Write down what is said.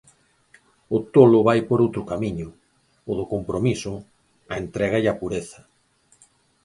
O Tolo vai por outro camiño, o do compromiso, a entrega e a pureza.